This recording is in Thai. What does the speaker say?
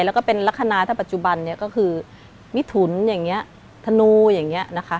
แล้วก็เป็นลักษณะถ้าปัจจุบันนี้ก็คือมิถุนอย่างนี้ธนูอย่างนี้นะคะ